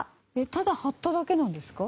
ただ貼っただけなんですか？